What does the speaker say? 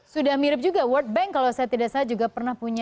sudah mirip juga world bank kalau saya tidak salah juga pernah punya